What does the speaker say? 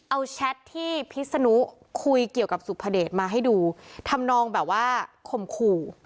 เอาแชทที่พิศนุคุยเกี่ยวกับสุภเดชมาให้ดูทำนองแบบว่าข่มขู่